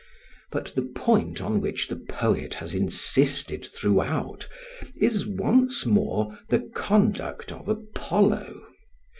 But the point on which the poet has insisted throughout is, once more, the conduct of Apollo.